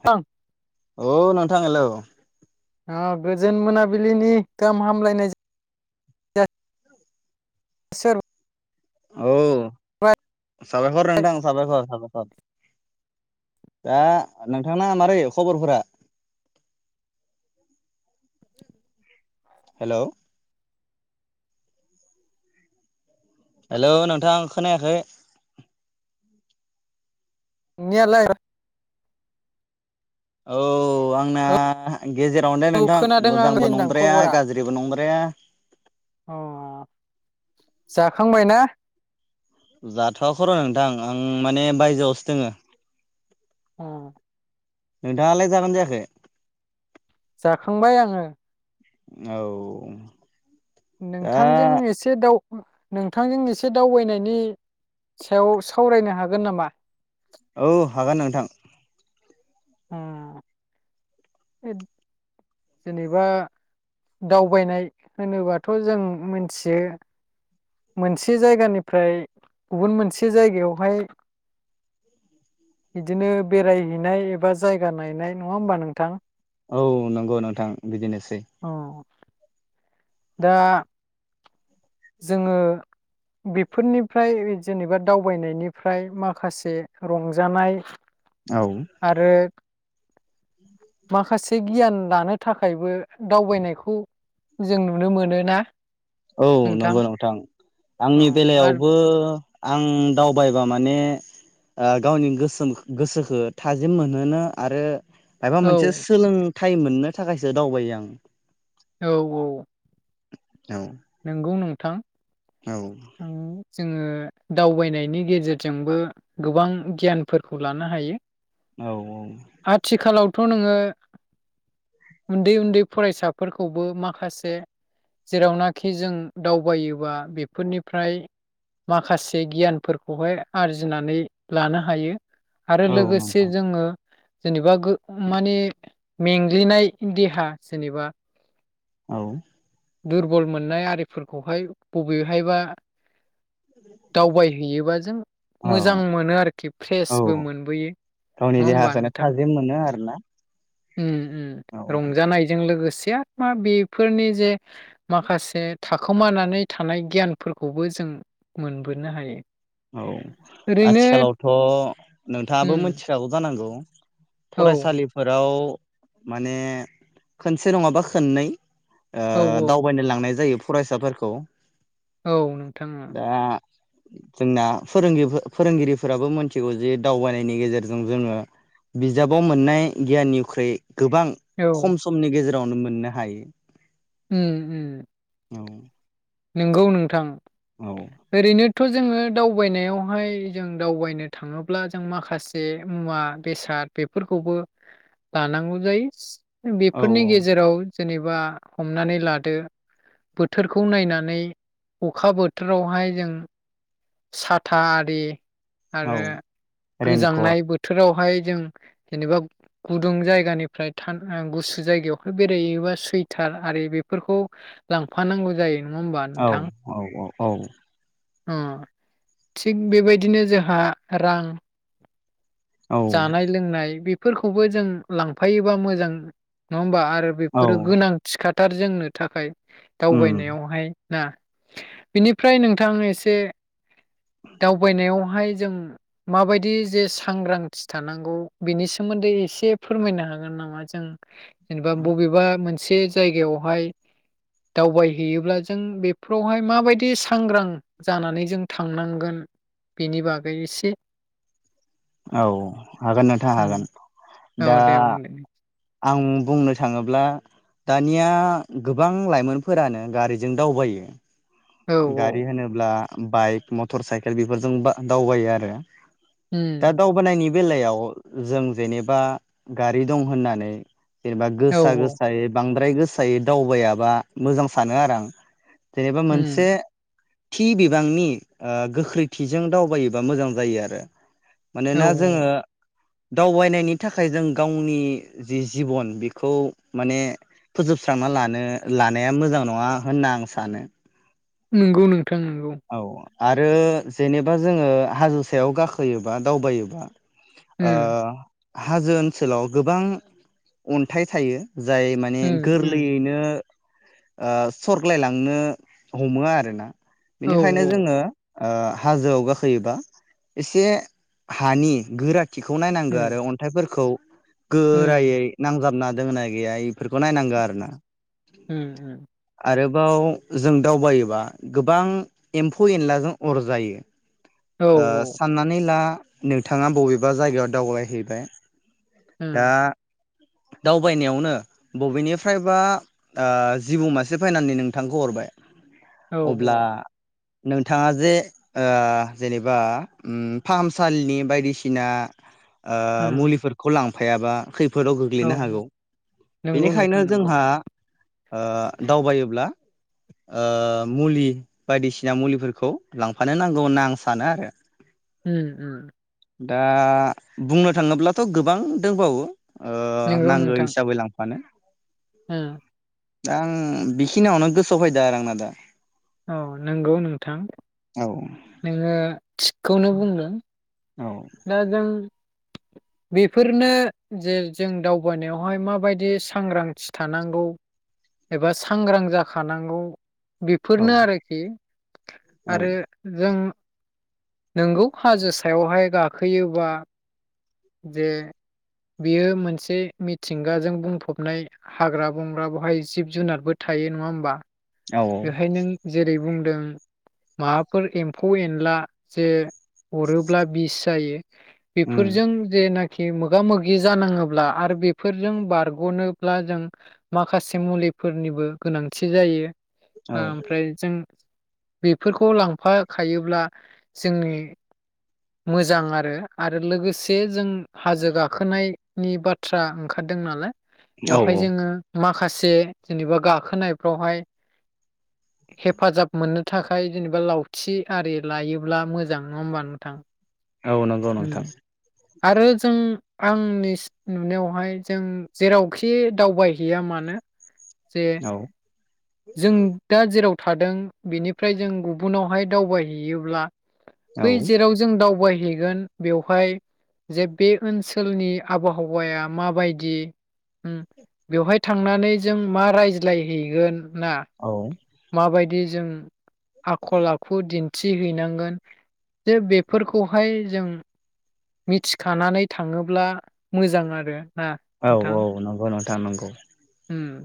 [unintelligible] औ नोंथां हेलौ अ गोजोन मोनाबिलिनि गाहाम हामलायनाय जा बिसोर औ साबायखर नोथां साबायखर साबाय दा नोंथांना मारै खबरफोरा हेलौ हेलौ नोंथां खोनायाखै नियालाय औ आंना औ गेजेरावनो दे नोंथां खोनादों आं मोजांबो होनदां नंद्राया खबरा गाज्रिबो नंद्राया [inaudible] अ जाखांबाय ना जाथआ खर नोंथां आं माने बायजोआवसो दोङो उम नोंथाङालाय जागोन जायाखै जाखांबाय आङो औ दा नोंथांजों एसे दाव नोंथांजों एसे दावबायनायनि सायाव सावरायनो हागोन नामा औ हागोन नोंथां उम जेनेबा दावबायनाय होनोबाथ जों मोनथियो मोनसे जायगानिफ्राय गुबुन मोनसे जायगायावहाय बिदिनो बेरायहैनाय एब जायगा नायनाय नङा होमबा नोंथां औ नोंगौ नोंथां बिदिनोसै अ दा जोङो बेफोरनिफ्राय जेनेबा दावबायनायनिफ्राय माखासे रंजानाय औ आरो माखासे गियान लानो थाखायबो दावबायनायखौ ज जों नुनो मोनोना औ नंगौ नोंथां औ आंनि आरो बेलायावबो आं दावबायबा माने ओ गावनि गोसोम गोसोखो थाजिम मोनहोनो आरो मायबा औ मोनसे सोलों थाइम मोननो थाखायसो दावबायो आं औ औ औ गौ नोंथां औ उम, जोङो दावबायनायनि गेजेरजोंबो गोबां गियानफोरखौ लानो हायो औ आथिखालावथ नोङो उन्दै उन्दै फरायसाफोरखौबो माखासे जेरावनाखि जों दावबायोबा बेफोरनिफ्राय माखासे गियानफोरखौहाय आरजिनानै लानो हायो आरो औ लोगोसे नोंथां जोङो जेनेबा गो मानि मेंग्लिनाय देहा जेनेबा औ दुरबल मोननाय आरिफोरखौहाय बबेवहायबा दावबायहैयोबा जों औ मोजां मोनो आरोखि औ फ्रेसबो मोनबोयो गावनि नङा होमबा देहाखौनो नोंथां थाजिम मोनो आरोना उम उम औ रंजानायजों लोगोसे दे मा बेफोरनि जे माखासे थाखोमानानै थानाय गियानफोरखौबो जों मोनबोनो हायो औ ओरैनो आथिखालावथ उम नोंथाङाबो मोथिखागौ जानांगौ औ फरायसालिफोराव माने खोनसे नङाबा खोननै ओ औ औ दावबायनो लांनाय जायो फरायसाफोरखौ औ नोंथां ओं दा जोंना फोरोंगिफो-फोरोंगिरिफोराबो मिथिगौ जे दावबायनायनि गेजेरजों जोङो बिजाबाव मोननाय गियाननिख्रुइ गोबां औ खम समनि गेजे रावनो मोननो हायो ओम ओम औ नोंगौ नोंथां औ ओरैनो थ जोङो दावबायनायावहाय जों दावबायनो थाङोब्ला जों माखासे मुवा बेसाद बेफोरखौबो लानांगौ जायो बेफोरनि औ गेजेराव जेनेबा हमनानै लादो बोथोरखौ नायना नै अखा बोथोरावहाय जों साथा आरि औ आरो रेनकट गोजांनाय बोथोरावहाय जों जेनेबा गुदुं जायगानिफ्राय थान-ओ-गुसु जायगायाव बेरायोबा सुइटार आरि बेफोरखौ लांफानांगौ जायो नङा होमबा औ नोंथां औ औ औ अ थिग बेबायदिनो जोंहा रां औ जानाय लोंनाय बे फोरखौबो जों लांफायोबा मोजां नङा होमबा आ औ बेफोरो गोनांथि खा थार जोंनो थाखाय उम दावबायनायावहाय ना बिनिफ्राय नोंथां एसे दावबायनायावहाय जों माबायदि जे सांग्रां थि थानांगौ बिनि सोमोन्दै एसे फोरमायनो हागोन नामा जों जेनेबा बबेबा मोन से जायगायावहाय दावबाय हैैयोब्ला जों बेफोरावहाय माबायदि सांग्रां जानानै जों थांनांगोन बेनि बागै एसे औ हागोन नोंथां उम हागोन दा औ दे बुंदो आं बुंनो थाङोब्ला दानिया गोबां लाइमोनफोरानो गारिजों दावबायो औ गारि होनोब्ला बाइक मटर साइकेल बेफोरजों दावबायो आरो दा उम दावबायनायनि बेलायाव जों जेनेबा गारि दं होननानै जेनेबा औ गोसा औ गोसायै बांद ओमफ्राय गोसायै दावबायाबा मोजां सानो आरो आं जेनेबा उम मोनसे थि बिबांनि गोख्रैथिजों दावबायोबा मोजां जायो आरो औ मानोना जोङो औ दावबायनायनि थाखाय जों गावनि जि जिबन बेखौ माने फोजोबस्रांना लानो लानाया मोजां नङा होनना आं सानो नंगौ नो औ आरो जेनेबा जोङो हाजो सायाव गाखोयोबा दावबायोबा आ उम हाजो ओनसोलाव गोबां अन्थाइ थायो जाय माने उम उम गोरलैयैनो ओ सरग्लाय लांनो हमो आरो ना औ बिनिखायनो जोङो ओ हाजोआव गाखोयोबा एसे हानि गोरा थिखौ नायनांगौ उम आरो अन्थाइफोरखौ उम गोरायै नांजाबना दोङो ना गैया इफोरखौ नायनांगौ आरो ना हम आरोबाव जों दावबायोबा गोबां एम्फौ एनलाजों अर जायो औ ओ उम साननानै ला नोंथाङा बबेबा जायगायाव दावबायहैबाय दा दावबायनायावनो बबेनिफ्रायबा ओ जिबौ मासे फाइनानै नोंथांखौ अरबाय औ अब्ला उम नोंथाङा जे ओ जेनेबा फाहामसालिनि बायदिसिना ओ मुलिफोरखौ लां फायाबा खैफोद फोराव औ गोग्लैनो हागौ नंगौ बेनिखायनो नोंथां नंगौ जोंहा ओ दावबायोब्ला ओ मुलि बायदिसिना मुलिफोरखौ लांफानो नांगौ होनना आं सानो आरो उम उम दा बुंनो थाङोब्लाथ गोबां दोंबावो ओ नंगौ नांगौ नोंथां हिसाबै लां मानो उम दा आं बेखिनियावनो गोसोआव फैदों आरो आंना दा औ नंगौ नोंथां औ नोङो थिगखौनो बुंदों औ दा‌‌ जों बेफोरनो जे जों दावबायानायावहाय माबायदि सांग्रांथि थानांगौ एबा सांग्रां जाखानांगौ औ बेफोरनो आरोखि औ आरो जों नोंगौ हाजो सायावहाय गा खोयोबा जे बियो मोनसे मिथिंगाजों बुंफबनाय हाग्रा बंग्रा बहाय जिब जुनारबो थायो नङा होमबा औ बेहाय नों जेरै बुं जों माबाफोर एम्फौ एनला जे अरोब्ला बिस जायो उम बेफोरजों जेनाखि खि मोगा मोगि जानाङोब्ला आरो बेफोरजों बारगनोब्ला जों माखासे मुलिफोरनिबो गोनांथि जायो औ ओमफ्राय जों बेफोरखौ लांफाखायोब्ला जोंनि मोजां आरो आरो लोगोसे जों हाजो गाखोनाय नि बाथ्रा ओंखारदों नालाय औ बेवहाय जोङो मा माखासे जेनेबा गाखोनायफ्रावहाय हेफाजाब मोननो थाखाय जेनेबा लावथि आरि लायोब्ला मोजां नङा होमबा नोंथां औ नंगौ उम नोंथां आरो जों आंनि नुनायावहाय जों जेरावखि दावबायहैया मानो जे औ जों जेराव थादों बेनिफ्राय जों गुबुनावहाय दावबायहैयोब्ला औ बै जेराव जों दावबाय हैगोन बेवहाय जे बे ओनसोलनि आबहावाया माबायदि ओम बेवहाय थांनानै जों मा रायज्लायहैगोन ना औ माबायदि जों आखल आखु दिनथि थि हैैनांगोन जे बेफोरखौहाय जों मिथिखानानै थाङोब्ला मोजां आरो ना औ औ नोंथां नंगौ नोंथां नांगौ उम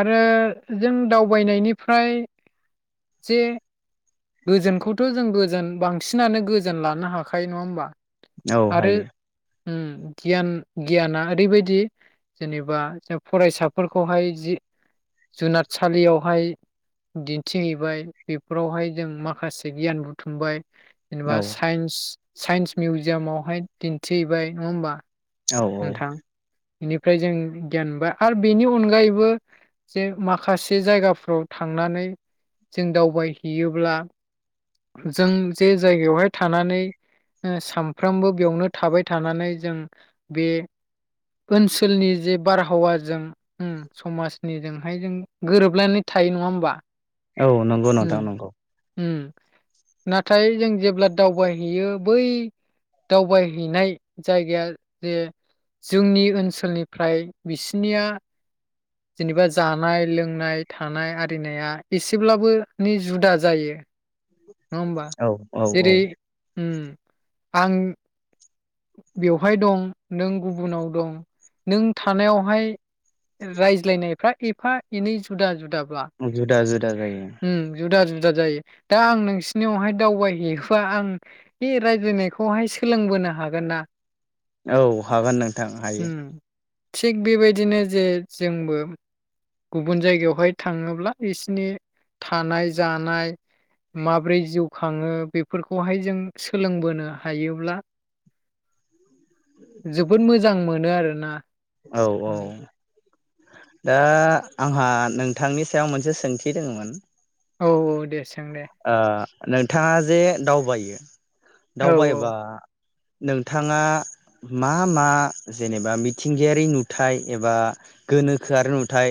आरो जों दाउ बायनायनिफ्राय जे गोजोनखौथ जों गोजोन बांसिनानो गोजोन लानो हाखायो नङा होमबा। औ आरो हायो उम गियान गियाना ओरैबायदि जेनेबा फरायसाफोरखौहाय जि जुनादसालियाव हाय दिन्थिहैबाय बेफोरावहाय जों माखासे गियान बुथुमबाय। औ जेनेबा साइन्स साइन्स मिउजियामावहाय दिन्थिहैबाय नङा होमबा ‌ औ औ बेनिफ्राय जों गियान बा आरो बेनि अनगायैबो जे माखासे जायगा फ्राव थांनानै जों दावबायहैयोब्ला जों जे जायगायावहाय थानानै ओ सानफ्रामबो बेयावनो थाबाय थानानै जों बे ओनसोलनि जे बारहावाजों उम समाजनिजोंहाय जों गोरोबनानै थायो नङा होमबा औ नंगौ उम नंथां नंगौ उम नाथाय जों जेब्ला दावबायहैयो बै दावबायहैनाय जायगाया जे जोंनि ओनसोलनिफ्राय बिसनिया जेनेबा जानाय लोंनाय नाय थानाय आरिनाया एसेब्लाबो नि जुदा जायो नङा होमबा औ औ औ जेरै उम आं बेवहाय दं नों गुबुनाव दं नों थानायावहाय रायज्लायनायफ्रा एफा एनै जुदा जुदा जुदा जुदा जायो बुरजा जायो दा आं नोंसिरनियावहाय दावबायहैबा आं बे रायज्लनायखौहाय सोलोंबोनो हागोन [unintelligible] औ हागोन नोंथां उम हायो थिग बेबायदिनो जे जोंबो गुबुन जायगायावहाय थाङोब्ला बिसनि थानाय जानाय माब्रै जिउ खाङो बेफोरखौहाय जों सोलोंबोनो हायोब्ला जोबोद मोजां मोनो आरोना औ औ दा आंहा नोंथांनि सायाव मोनसे सोंथि दङमोन औ औ दे सों दे आ नोंथाङा जे दावबायो औ दावबाय औ एबा नोंथाङा मा मा जेनेबा मिथिंगायारि नुथाय एबा गोनोखोआरि नुथाय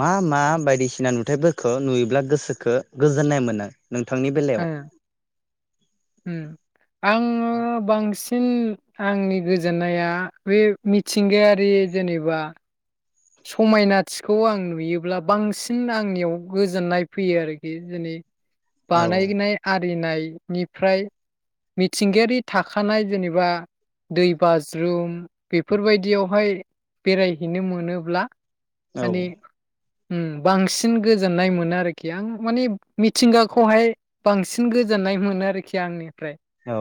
मा मा बायदिसिना नुथायफोरखौ नुयोब्ला गोसोखो गोजोननाय मोननाय नोंथांनि बेलायाव ओं आं बांसिन आंनि गोजोननाया बे मिथिंगायारि जेनेबा समायनाथिखौ आं नुयोब्ला बांसिन आंनियाव गोजोननाय फैयो आरोखि जेनै औ बानायनाय आरिनायनि ओमफ्राय मिथिंगायारि थाखानाय जेनेबा दै बाज्रुम बेफोरबायदियावहाय बेरायहैनो मोनो ब्ला औ आनि उम बांसिन गोजोननाय मोनो आरोखि आं माने मिथिंगाखौहाय बांसिन गोजोननाय मोनो आरोखि आंनि औ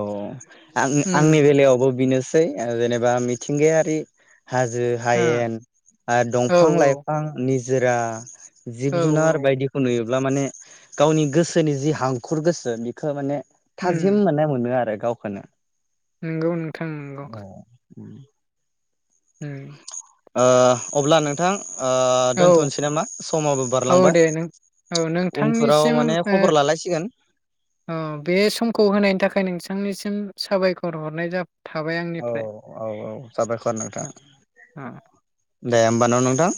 आं आंनि बेलायावबो बेनो बै ओ जेनेबा मिथिंगायारि हाजो हायेन आरो ओ दंफां औ औ लाइफां नि जेरा औ जिब जुनार बायदिखौ नुयो अब्ला माने गावनि गोसोनि जि हांखुर गोसो बिखौ माने थाजिम मोनो मोनो आरो गावखौनो नोंगौ अ [unintelligible] उम ओ अब्ला नोंथां ओ औ दोनथ'नोसै नामा समाबो औ बारलांबाय दे नों औ उनफोराव नोंथांनिसिम माने ओ खबर लालायसिगोन अ बे समखौ होनायनि थाखाय नोंसि नोंनिसिम साबायखर हरनाय जाब औ औ औ साबायखर नोंथां अ दे होमबान न नोंथां